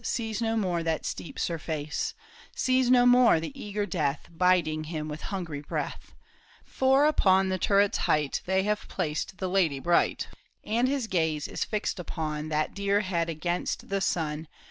Sees no more that steep surface, Sees no more the eager death Biding him with hungry breath ; For upon the turret's height They have placed the lady bright, And his gaze is fixed upon That dear head against the sun.